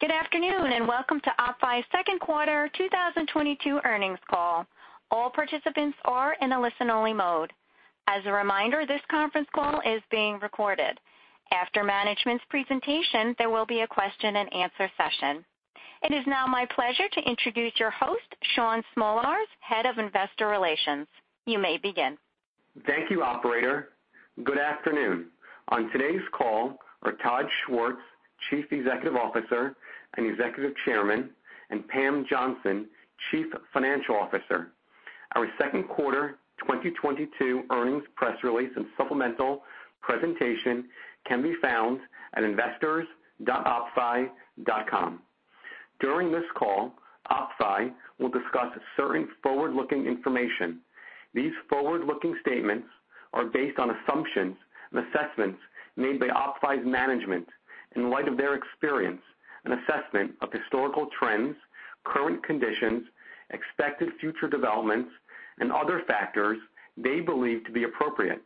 Good afternoon, and welcome to OppFi's second quarter 2022 earnings call. All participants are in a listen-only mode. As a reminder, this conference call is being recorded. After management's presentation, there will be a question-and-answer session. It is now my pleasure to introduce your host, Shaun Smolarz, Head of Investor Relations. You may begin. Thank you, operator. Good afternoon. On today's call are Todd Schwartz, Chief Executive Officer and Executive Chairman, and Pam Johnson, Chief Financial Officer. Our second quarter 2022 earnings press release and supplemental presentation can be found at investors.oppfi.com. During this call, OppFi will discuss certain forward-looking information. These forward-looking statements are based on assumptions and assessments made by OppFi's management in light of their experience and assessment of historical trends, current conditions, expected future developments, and other factors they believe to be appropriate.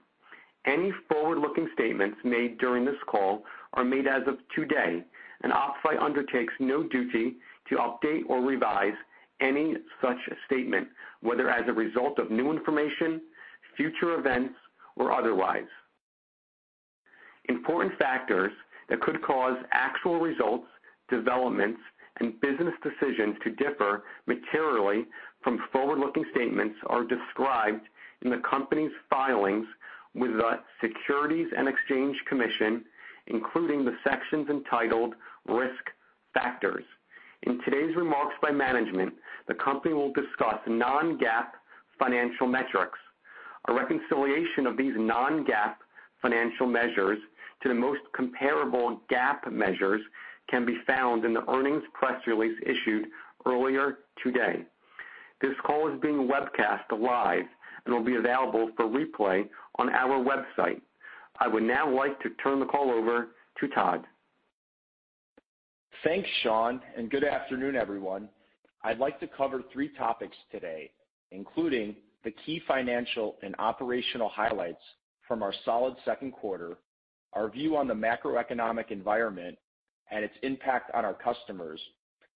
Any forward-looking statements made during this call are made as of today, and OppFi undertakes no duty to update or revise any such statement, whether as a result of new information, future events, or otherwise. Important factors that could cause actual results, developments, and business decisions to differ materially from forward-looking statements are described in the company's filings with the Securities and Exchange Commission, including the sections entitled risk factors. In today's remarks by management, the company will discuss non-GAAP financial metrics. A reconciliation of these non-GAAP financial measures to the most comparable GAAP measures can be found in the earnings press release issued earlier today. This call is being webcast live and will be available for replay on our website. I would now like to turn the call over to Todd. Thanks, Shaun, and good afternoon, everyone. I'd like to cover three topics today, including the key financial and operational highlights from our solid second quarter, our view on the macroeconomic environment and its impact on our customers,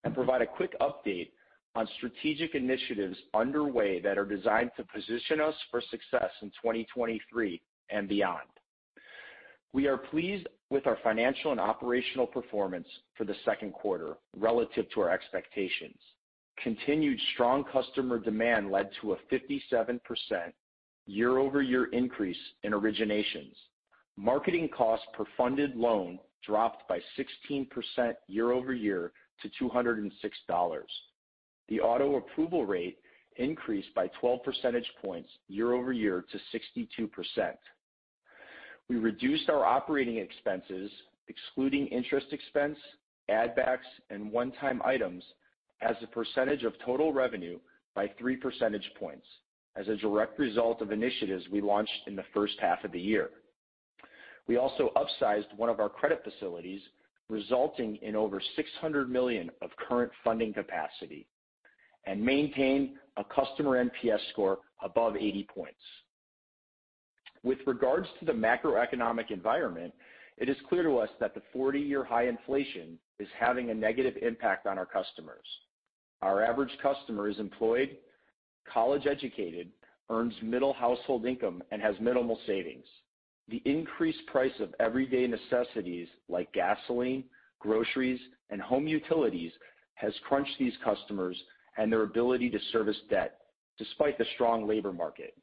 and provide a quick update on strategic initiatives underway that are designed to position us for success in 2023 and beyond. We are pleased with our financial and operational performance for the second quarter relative to our expectations. Continued strong customer demand led to a 57% year-over-year increase in originations. Marketing costs per funded loan dropped by 16% year-over-year to $206. The auto approval rate increased by 12 percentage points year-over-year to 62%. We reduced our operating expenses, excluding interest expense, add backs, and one-time items as a percentage of total revenue by 3 percentage points as a direct result of initiatives we launched in the first half of the year. We also upsized one of our credit facilities, resulting in over $600 million of current funding capacity and maintain a customer NPS score above 80 points. With regards to the macroeconomic environment, it is clear to us that the 40-year high inflation is having a negative impact on our customers. Our average customer is employed, college-educated, earns middle household income, and has minimal savings. The increased price of everyday necessities like gasoline, groceries, and home utilities has crunched these customers and their ability to service debt despite the strong labor market.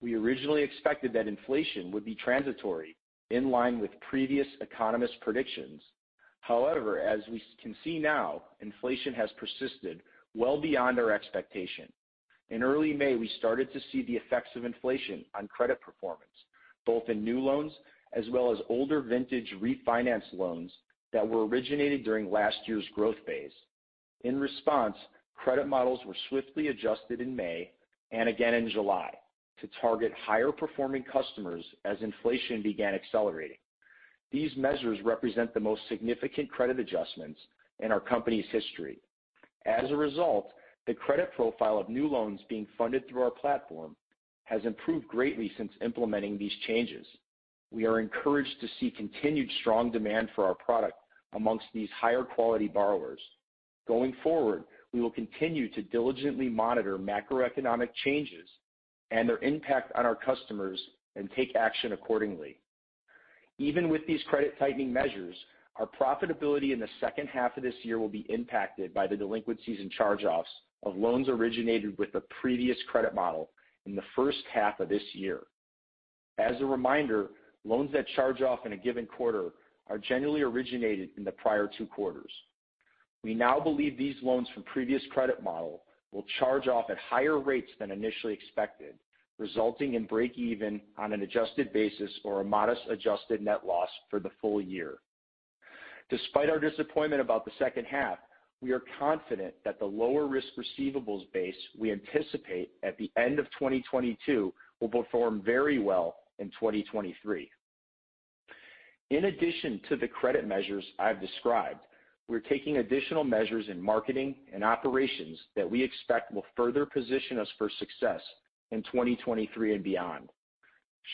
We originally expected that inflation would be transitory in line with previous economists' predictions. However, as we can see now, inflation has persisted well beyond our expectation. In early May, we started to see the effects of inflation on credit performance, both in new loans as well as older vintage refinance loans that were originated during last year's growth phase. In response, credit models were swiftly adjusted in May and again in July to target higher-performing customers as inflation began accelerating. These measures represent the most significant credit adjustments in our company's history. As a result, the credit profile of new loans being funded through our platform has improved greatly since implementing these changes. We are encouraged to see continued strong demand for our product amongst these higher-quality borrowers. Going forward, we will continue to diligently monitor macroeconomic changes and their impact on our customers and take action accordingly. Even with these credit tightening measures, our profitability in the second half of this year will be impacted by the delinquencies and charge-offs of loans originated with the previous credit model in the first half of this year. As a reminder, loans that charge off in a given quarter are generally originated in the prior two quarters. We now believe these loans from previous credit model will charge off at higher rates than initially expected, resulting in break even on an adjusted basis or a modest adjusted net loss for the full year. Despite our disappointment about the second half, we are confident that the lower-risk receivables base we anticipate at the end of 2022 will perform very well in 2023. In addition to the credit measures I've described, we're taking additional measures in marketing and operations that we expect will further position us for success in 2023 and beyond.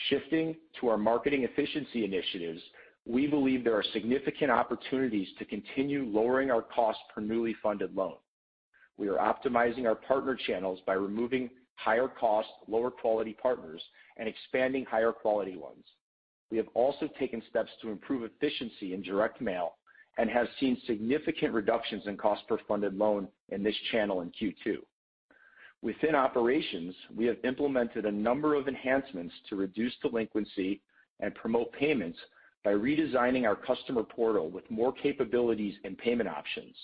Shifting to our marketing efficiency initiatives, we believe there are significant opportunities to continue lowering our cost per newly funded loan. We are optimizing our partner channels by removing higher cost, lower quality partners and expanding higher quality ones. We have also taken steps to improve efficiency in direct mail and have seen significant reductions in cost per funded loan in this channel in Q2. Within operations, we have implemented a number of enhancements to reduce delinquency and promote payments by redesigning our customer portal with more capabilities and payment options.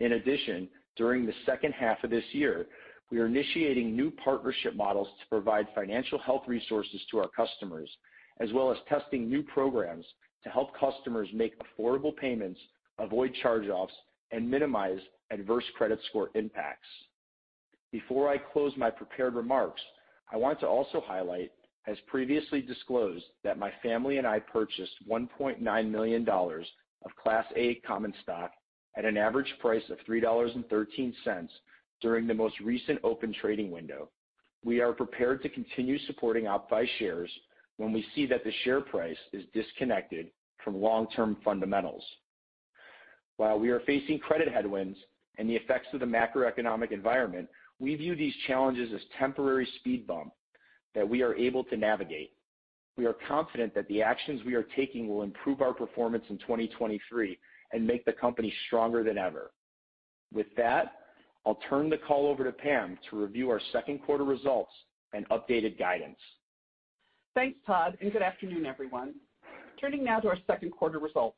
In addition, during the second half of this year, we are initiating new partnership models to provide financial health resources to our customers, as well as testing new programs to help customers make affordable payments, avoid charge-offs, and minimize adverse credit score impacts. Before I close my prepared remarks, I want to also highlight, as previously disclosed, that my family and I purchased $1.9 million of Class A common stock at an average price of $3.13 during the most recent open trading window. We are prepared to continue supporting OppFi shares when we see that the share price is disconnected from long-term fundamentals. While we are facing credit headwinds and the effects of the macroeconomic environment, we view these challenges as temporary speed bump that we are able to navigate. We are confident that the actions we are taking will improve our performance in 2023 and make the company stronger than ever. With that, I'll turn the call over to Pam to review our second quarter results and updated guidance. Thanks, Todd, and good afternoon, everyone. Turning now to our second quarter results.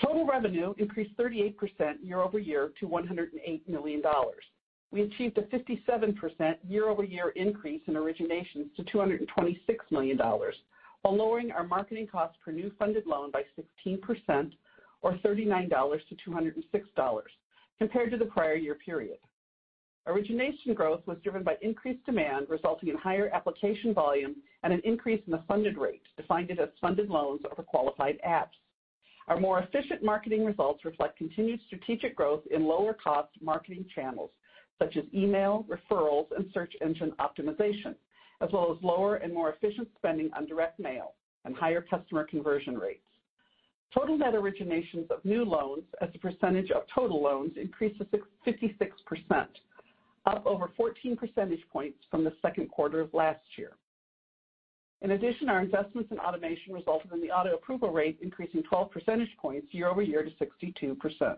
Total revenue increased 38% year-over-year to $108 million. We achieved a 57% year-over-year increase in originations to $226 million, while lowering our marketing costs per new funded loan by 16% or $39 to $206 compared to the prior year period. Origination growth was driven by increased demand, resulting in higher application volume and an increase in the funded rate, defined as funded loans over qualified apps. Our more efficient marketing results reflect continued strategic growth in lower cost marketing channels such as email, referrals, and search engine optimization, as well as lower and more efficient spending on direct mail and higher customer conversion rates. Total net originations of new loans as a percentage of total loans increased to 56%, up over 14 percentage points from the second quarter of last year. In addition, our investments in automation resulted in the auto approval rate increasing 12 percentage points year-over-year to 62%.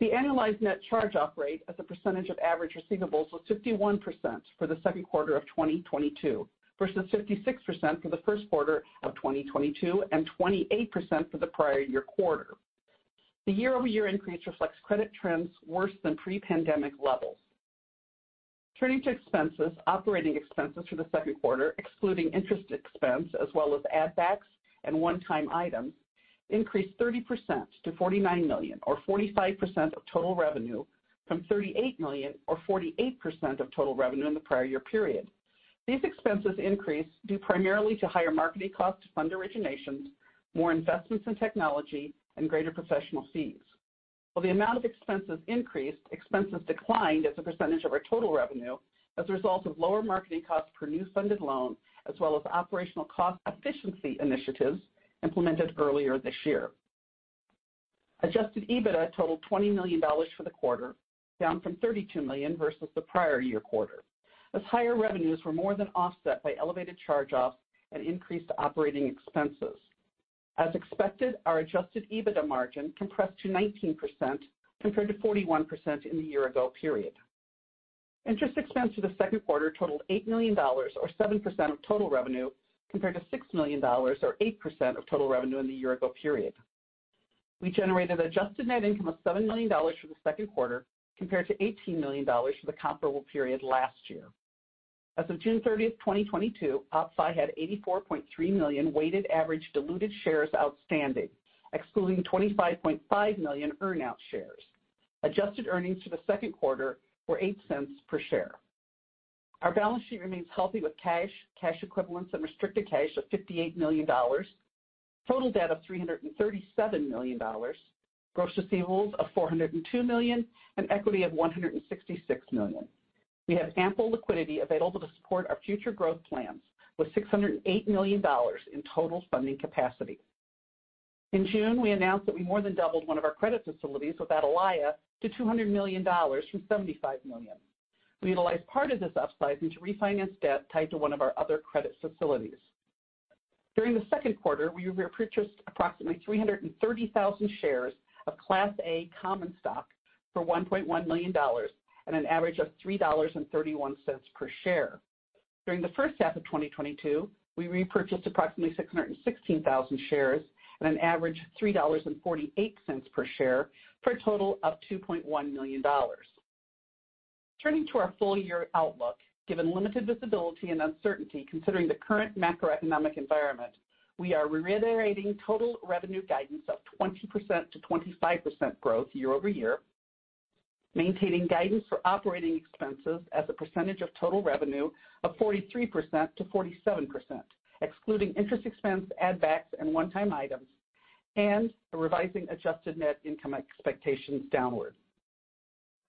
The annualized net charge-off rate as a percentage of average receivables was 51% for the second quarter of 2022, versus 56% for the first quarter of 2022 and 28% for the prior year quarter. The year-over-year increase reflects credit trends worse than pre-pandemic levels. Turning to expenses. Operating expenses for the second quarter, excluding interest expense as well as add backs and one-time items, increased 30% to $49 million or 45% of total revenue from $38 million or 48% of total revenue in the prior year period. These expenses increased due primarily to higher marketing costs to fund originations, more investments in technology, and greater professional fees. While the amount of expenses increased, expenses declined as a percentage of our total revenue as a result of lower marketing costs per new funded loan, as well as operational cost efficiency initiatives implemented earlier this year. Adjusted EBITDA totaled $20 million for the quarter, down from $32 million versus the prior-year quarter, as higher revenues were more than offset by elevated charge-offs and increased operating expenses. As expected, our adjusted EBITDA margin compressed to 19% compared to 41% in the year-ago period. Interest expense for the second quarter totaled $8 million or 7% of total revenue, compared to $6 million or 8% of total revenue in the year-ago period. We generated adjusted net income of $7 million for the second quarter compared to $18 million for the comparable period last year. As of June 30th, 2022, OppFi had 84.3 million weighted average diluted shares outstanding, excluding 25.5 million earnout shares. Adjusted earnings for the second quarter were $0.08 per share. Our balance sheet remains healthy with cash equivalents, and restricted cash of $58 million, total debt of $337 million, gross receivables of $402 million, and equity of $166 million. We have ample liquidity available to support our future growth plans with $608 million in total funding capacity. In June, we announced that we more than doubled one of our credit facilities with Atalaya to $200 million from $75 million. We utilized part of this upside into refinance debt tied to one of our other credit facilities. During the second quarter, we repurchased approximately 330,000 shares of Class A common stock for $1.1 million at an average of $3.31 per share. During the first half of 2022, we repurchased approximately 616,000 shares at an average of $3.48 per share for a total of $2.1 million. Turning to our full-year outlook. Given limited visibility and uncertainty considering the current macroeconomic environment, we are reiterating total revenue guidance of 20%-25% growth year-over-year, maintaining guidance for operating expenses as a percentage of total revenue of 43%-47%, excluding interest expense, add backs, and one-time items, and revising adjusted net income expectations downward.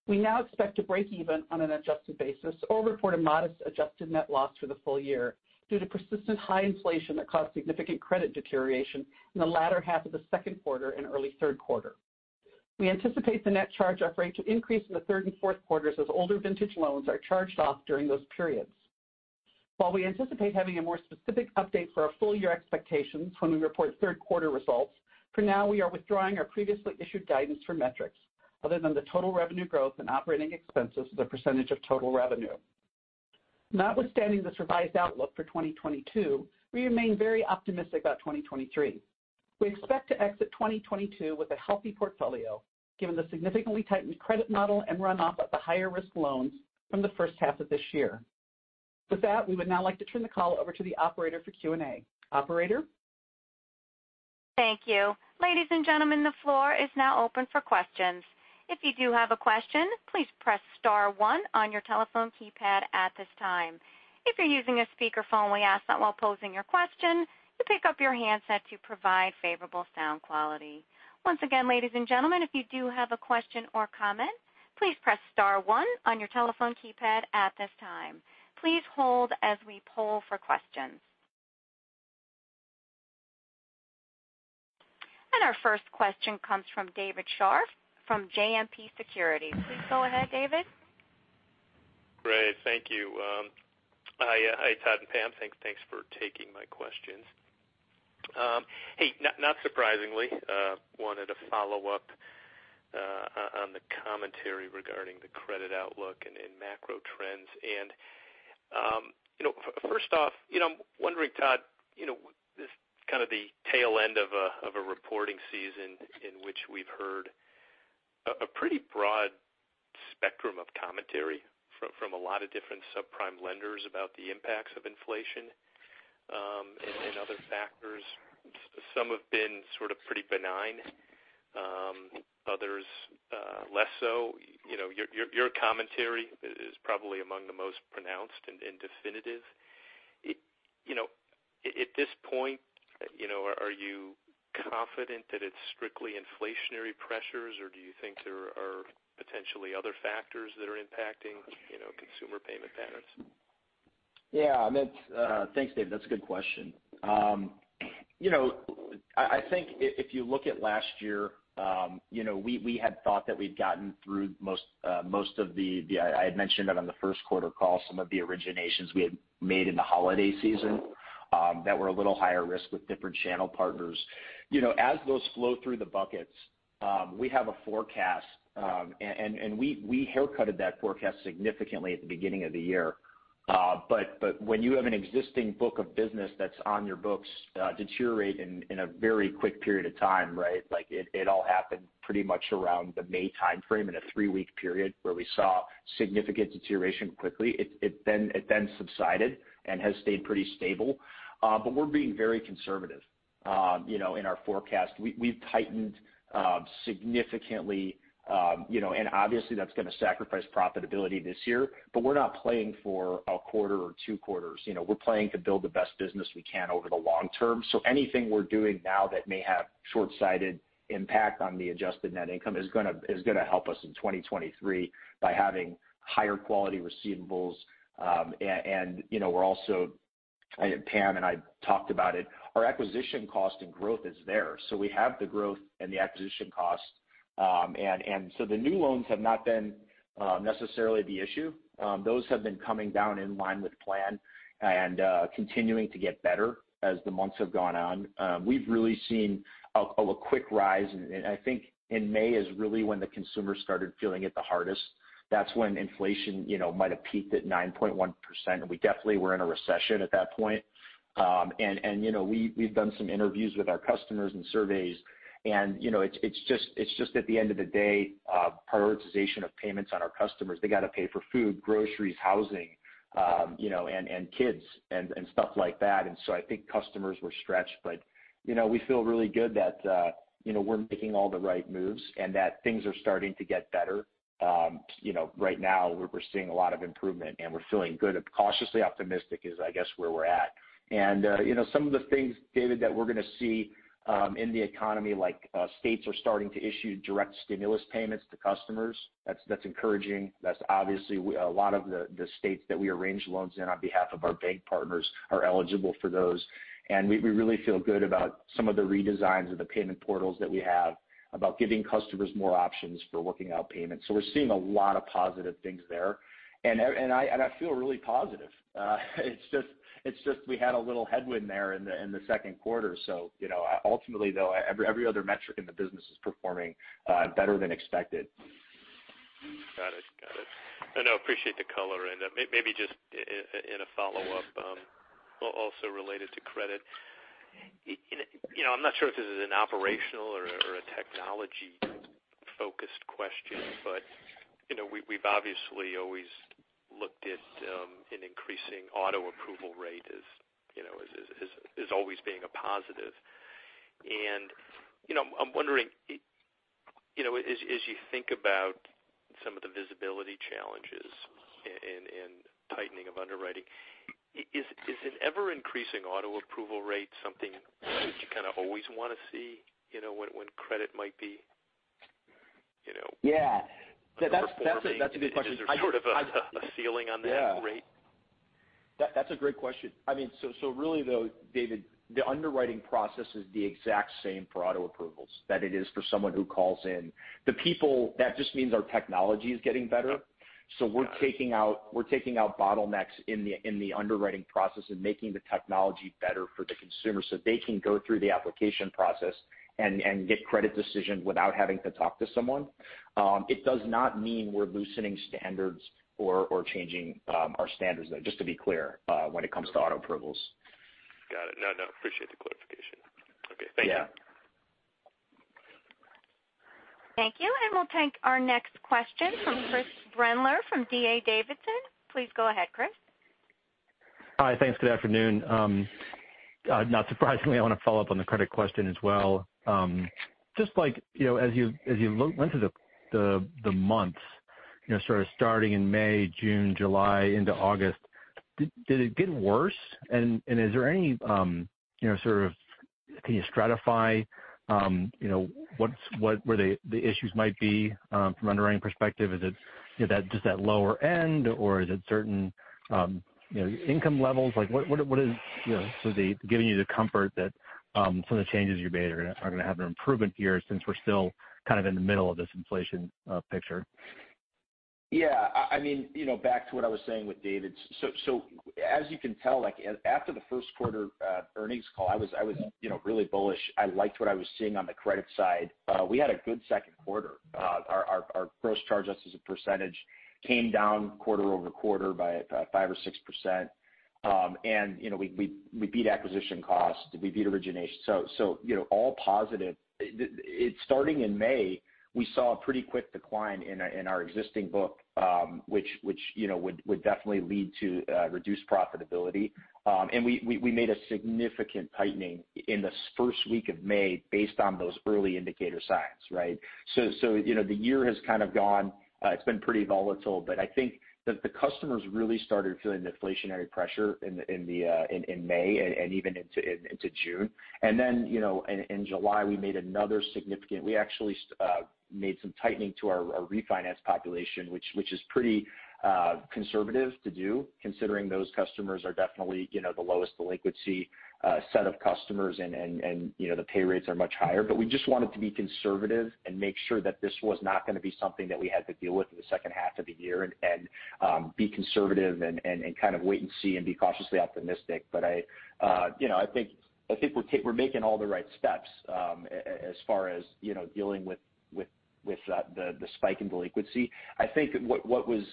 We now expect to break even on an adjusted basis or report a modest adjusted net loss for the full year due to persistent high inflation that caused significant credit deterioration in the latter half of the second quarter and early third quarter. We anticipate the net charge-off rate to increase in the third and fourth quarters as older vintage loans are charged off during those periods. While we anticipate having a more specific update for our full-year expectations when we report third quarter results, for now, we are withdrawing our previously issued guidance for metrics other than the total revenue growth and operating expenses as a percentage of total revenue. Notwithstanding this revised outlook for 2022, we remain very optimistic about 2023. We expect to exit 2022 with a healthy portfolio, given the significantly tightened credit model and run off of the higher-risk loans from the first half of this year. With that, we would now like to turn the call over to the operator for Q&A. Operator? Thank you. Ladies and gentlemen, the floor is now open for questions. If you do have a question, please press star one on your telephone keypad at this time. If you're using a speakerphone, we ask that while posing your question you pick up your handset to provide favorable sound quality. Once again, ladies and gentlemen, if you do have a question or comment, please press star one on your telephone keypad at this time. Please hold as we poll for questions. Our first question comes from David Scharf from JMP Securities. Please go ahead, David. Great. Thank you. Hi, Todd and Pam. Thanks for taking my questions. Hey, not surprisingly, wanted to follow-up on the commentary regarding the credit outlook and macro trends. You know, first off, you know, I'm wondering, Todd, you know, this is kind of the tail end of a reporting season in which we've heard a pretty broad spectrum of commentary from a lot of different subprime lenders about the impacts of inflation and other factors. Some have been sort of pretty benign, others less so. You know, your commentary is probably among the most pronounced and definitive. It. You know, at this point, you know, are you confident that it's strictly inflationary pressures, or do you think there are potentially other factors that are impacting, you know, consumer payment patterns? Yeah. That's. Thanks, David, that's a good question. You know, I think if you look at last year, you know, we had thought that we'd gotten through most of the. I had mentioned it on the first quarter call, some of the originations we had made in the holiday season, that were a little higher risk with different channel partners. You know, as those flow through the buckets, we have a forecast. We haircutted that forecast significantly at the beginning of the year. But when you have an existing book of business that's on your books, deteriorate in a very quick period of time, right? Like, it all happened pretty much around the May timeframe in a three-week period where we saw significant deterioration quickly. It then subsided and has stayed pretty stable. We're being very conservative, you know, in our forecast. We've tightened significantly. You know, obviously that's gonna sacrifice profitability this year, but we're not playing for a quarter or two quarters. You know, we're playing to build the best business we can over the long-term. Anything we're doing now that may have short-sighted impact on the adjusted net income is gonna help us in 2023 by having higher quality receivables. Pam and I talked about it. Our acquisition cost and growth is there, so we have the growth and the acquisition cost. The new loans have not been necessarily the issue. Those have been coming down in line with plan and continuing to get better as the months have gone on. We've really seen a quick rise. I think in May is really when the consumer started feeling it the hardest. That's when inflation, you know, might've peaked at 9.1%, and we definitely were in a recession at that point. You know, we've done some interviews with our customers and surveys and you know, it's just at the end of the day, prioritization of payments on our customers. They gotta pay for food, groceries, housing, you know, and kids and stuff like that. I think customers were stretched. you know, we feel really good that, you know, we're making all the right moves and that things are starting to get better. you know, right now we're seeing a lot of improvement, and we're feeling good, cautiously optimistic is, I guess, where we're at. you know, some of the things, David, that we're gonna see, in the economy, like, states are starting to issue direct stimulus payments to customers. That's encouraging. That's obviously a lot of the states that we arrange loans in on behalf of our bank partners are eligible for those. we really feel good about some of the redesigns of the payment portals that we have about giving customers more options for working out payments. We're seeing a lot of positive things there. I feel really positive. It's just we had a little headwind there in the second quarter. You know, ultimately, though, every other metric in the business is performing better than expected. Got it. I appreciate the color. Maybe just in a follow-up, also related to credit. You know, I'm not sure if this is an operational or a technology-focused question, but you know, we've obviously always looked at an increasing auto approval rate as you know, as always being a positive. You know, I'm wondering, you know, as you think about some of the visibility challenges and tightening of underwriting. Is an ever-increasing auto approval rate something that you kind of always wanna see, you know, when credit might be, you know. Yeah. That's a good question. Is there sort of a ceiling on that rate? Yeah. That's a great question. I mean, so really though, David, the underwriting process is the exact same for auto approvals that it is for someone who calls in. That just means our technology is getting better. Got it. We're taking out bottlenecks in the underwriting process and making the technology better for the consumer, so they can go through the application process and get credit decisions without having to talk to someone. It does not mean we're loosening standards or changing our standards, though, just to be clear, when it comes to auto approvals. Got it. No, no. Appreciate the clarification. Okay. Thank you. Yeah. Thank you. We'll take our next question from Chris Brendler from D.A. Davidson. Please go ahead, Chris. Hi. Thanks. Good afternoon. Not surprisingly, I wanna follow-up on the credit question as well. Just like, you know, as you look into the months, you know, sort of starting in May, June, July into August, did it get worse? Is there any, you know, sort of can you stratify, you know, what, where the issues might be, from underwriting perspective? Is it, you know, that, just that lower end? Or is it certain, you know, income levels? Like, what is, you know, sort of giving you the comfort that, some of the changes you made are gonna have an improvement here since we're still kind of in the middle of this inflation picture? Yeah. I mean, you know, back to what I was saying with David. As you can tell, like after the first quarter earnings call, I was, you know, really bullish. I liked what I was seeing on the credit side. We had a good second quarter. Our gross charge-off as a percentage came down quarter-over-quarter by 5% or 6%. And, you know, we beat acquisition costs, we beat origination. So, you know, all positive. Starting in May, we saw a pretty quick decline in our existing book, which, you know, would definitely lead to reduced profitability. And we made a significant tightening in this first week of May based on those early indicator signs, right? You know, the year has kind of gone, it's been pretty volatile, but I think that the customers really started feeling the inflationary pressure in May and even into June. Then, you know, in July, we made some tightening to our refinance population, which is pretty conservative to do considering those customers are definitely, you know, the lowest delinquency set of customers and, you know, the pay rates are much higher. We just wanted to be conservative and make sure that this was not gonna be something that we had to deal with in the second half of the year and be conservative and kind of wait and see and be cautiously optimistic. I think we're making all the right steps as far as you know dealing with the spike in delinquency. I think what was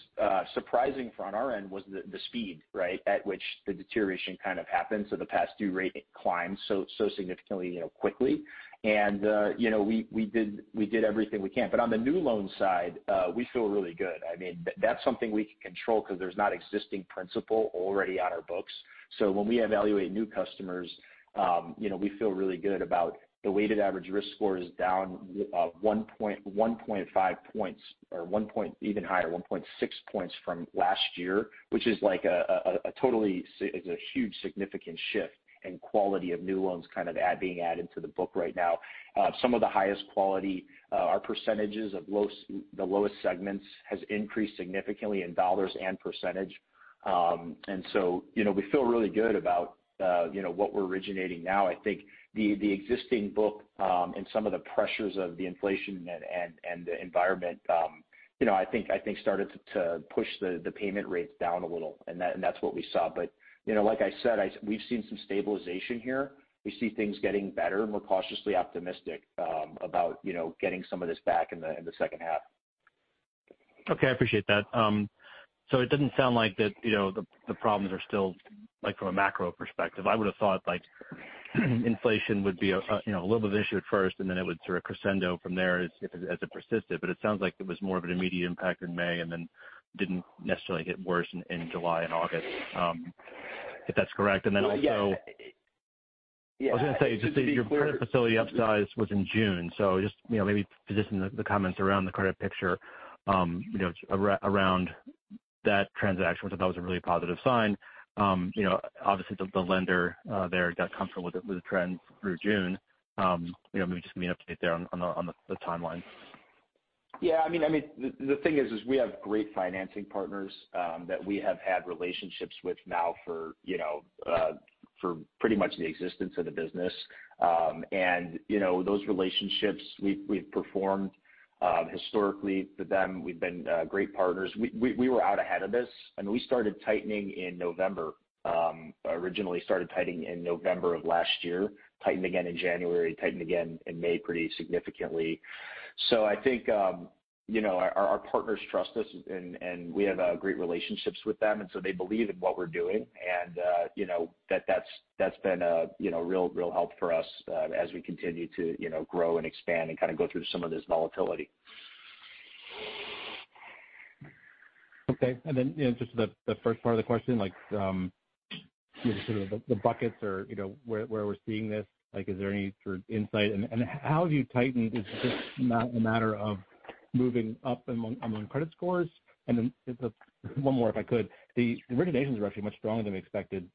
surprising from our end was the speed, right? At which the deterioration kind of happened, so the past due rate climbed so significantly you know quickly. You know we did everything we can. On the new loan side we feel really good. I mean, that's something we can control 'cause there's not existing principal already on our books. When we evaluate new customers, you know, we feel really good about the weighted average risk score is down 1 point, 1.5 points or 1 point even higher, 1.6 points from last year, which is like a totally is a huge significant shift in quality of new loans kind of being added to the book right now. Some of the highest quality, our percentages of the lowest segments has increased significantly in dollars and percentage. You know, we feel really good about, you know, what we're originating now. I think the existing book, and some of the pressures of the inflation and the environment, you know, I think started to push the payment rates down a little. That, that's what we saw. You know, like I said, we've seen some stabilization here. We see things getting better, and we're cautiously optimistic about, you know, getting some of this back in the second half. Okay. I appreciate that. It didn't sound like that, you know, the problems are still like from a macro perspective. I would have thought like inflation would be a you know a little bit of issue at first, and then it would sort of crescendo from there as it persisted. It sounds like it was more of an immediate impact in May and then didn't necessarily get worse in July and August. If that's correct. Yeah. I was gonna say, just your credit facility upsize was in June. Just, you know, maybe position the comments around the credit picture, you know, around that transaction, which I thought was a really positive sign. You know, obviously, the lender there got comfortable with the trends through June. You know, maybe just give me an update there on the timeline. Yeah. I mean, the thing is we have great financing partners that we have had relationships with now for, you know, for pretty much the existence of the business. You know, those relationships we've performed historically with them. We've been great partners. We were out ahead of this, and we started tightening in November. Originally started tightening in November of last year, tightened again in January, tightened again in May pretty significantly. I think, you know, our partners trust us and we have great relationships with them, and so they believe in what we're doing and, you know, that's been a real help for us as we continue to, you know, grow and expand and kinda go through some of this volatility. Okay. Then, you know, just the first part of the question, like, you know, sort of the buckets or, you know, where we're seeing this, like, is there any sort of insight? How have you tightened? Is it just a matter of moving up among credit scores? One more, if I could. The originations were actually much stronger than expected,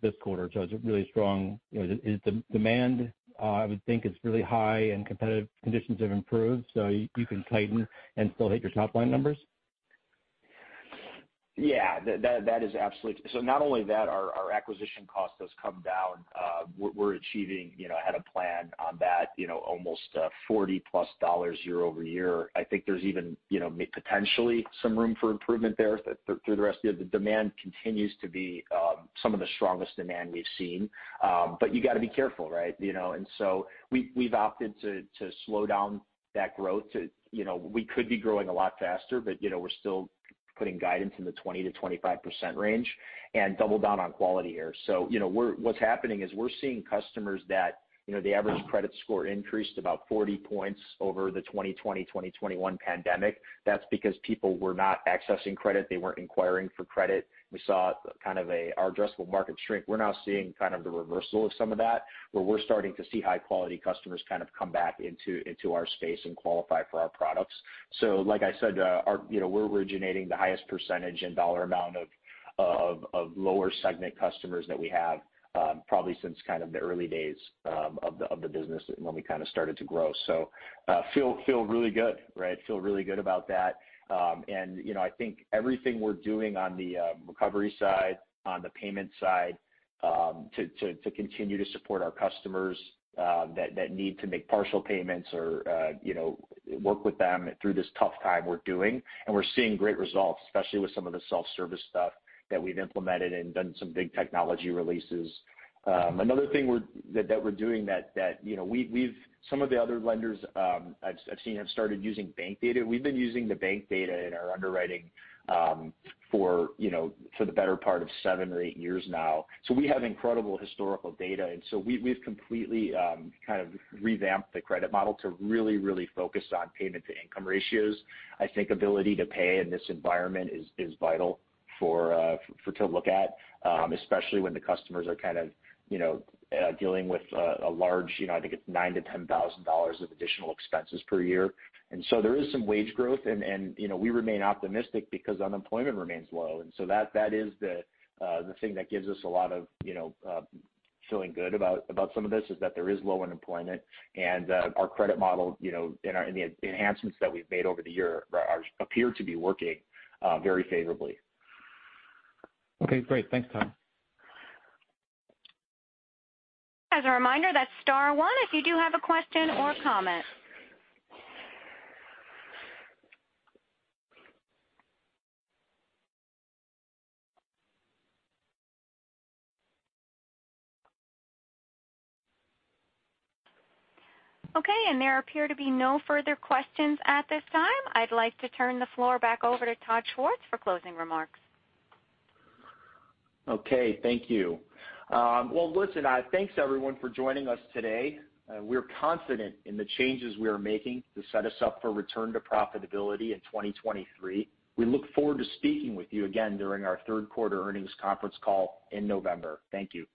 this quarter. It's a really strong. You know, the demand I would think is really high and competitive conditions have improved, so you can tighten and still hit your top line numbers? Yeah. That is absolutely. So not only that, our acquisition cost has come down. We're achieving, you know, I had a plan on that, you know, almost $40+ year-over-year. I think there's even, you know, potentially some room for improvement there through the rest of the year. The demand continues to be some of the strongest demand we've seen. But you gotta be careful, right? You know, and so we've opted to slow down that growth. You know, we could be growing a lot faster, but, you know, we're still putting guidance in the 20%-25% range and double down on quality here. So, you know, what's happening is we're seeing customers that, you know, the average credit score increased about 40 points over the 2020, 2021 pandemic. That's because people were not accessing credit. They weren't inquiring for credit. We saw our addressable market shrink. We're now seeing kind of the reversal of some of that, where we're starting to see high quality customers kind of come back into our space and qualify for our products. Like I said, you know, we're originating the highest percentage in dollar amount of lower segment customers that we have, probably since kind of the early days of the business and when we kinda started to grow. Feel really good, right? Feel really good about that. You know, I think everything we're doing on the recovery side, on the payment side, to continue to support our customers that need to make partial payments or, you know, work with them through this tough time we're doing. We're seeing great results, especially with some of the self-service stuff that we've implemented and done some big technology releases. Another thing that we're doing, that you know some of the other lenders I've seen have started using bank data. We've been using the bank data in our underwriting for you know the better part of seven or eight years now. We've completely kind of revamped the credit model to really focus on payment-to-income ratios. I think ability to pay in this environment is vital for to look at, especially when the customers are kind of, you know, dealing with a large, you know, I think it's $9,000-$10,000 of additional expenses per year. There is some wage growth and, you know, we remain optimistic because unemployment remains low. That is the thing that gives us a lot of, you know, feeling good about some of this, is that there is low unemployment. Our credit model, you know, and the enhancements that we've made over the year appear to be working very favorably. Okay, great. Thanks, Todd. As a reminder, that's star one if you do have a question or comment. Okay, there appear to be no further questions at this time. I'd like to turn the floor back over to Todd Schwartz for closing remarks. Okay, thank you. Well, listen, thanks everyone for joining us today. We're confident in the changes we are making to set us up for return to profitability in 2023. We look forward to speaking with you again during our third quarter earnings conference call in November. Thank you.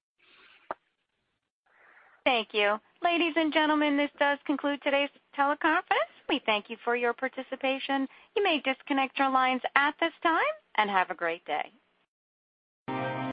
Thank you. Ladies and gentlemen, this does conclude today's teleconference. We thank you for your participation. You may disconnect your lines at this time, and have a great day.